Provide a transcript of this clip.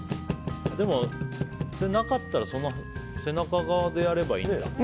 でも、なかったらその背中側でやればいいんだ。